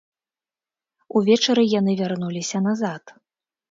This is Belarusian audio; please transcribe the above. Увечары яны вярнуліся назад.